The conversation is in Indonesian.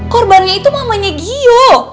korbannya itu mamanya jio